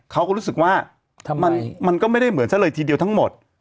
เขาก็รู้สึกว่ามันก็ไม่ได้เหมือนซะเลยทีเดียวทั้งหมด